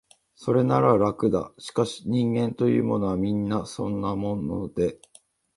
それなら、楽だ、しかし、人間というものは、皆そんなもので、